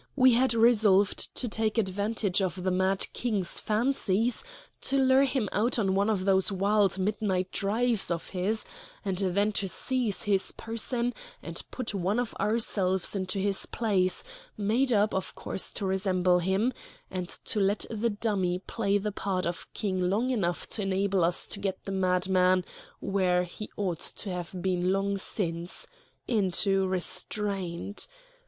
We had resolved to take advantage of the mad King's fancies to lure him out on one of those wild midnight drives of his, and then to seize his person and put one of ourselves into his place, made up, of course, to resemble him; and to let the dummy play the part of King long enough to enable us to get the madman where he ought to have been long since into restraint.